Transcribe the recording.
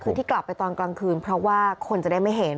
คือที่กลับไปตอนกลางคืนเพราะว่าคนจะได้ไม่เห็น